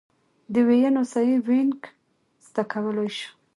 د ویونو صحیح وینګ زده کولای شو.